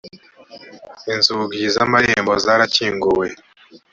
inzugi z amarembo zarakinguwe